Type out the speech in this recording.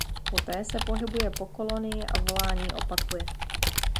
Poté se pohybuje po kolonii a volání opakuje.